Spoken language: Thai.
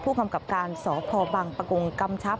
กำกับการสพบังปะกงกำชับ